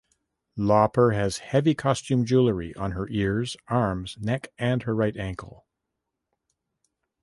Lauper has heavy costume jewelry on her ears, arms, neck and her right ankle.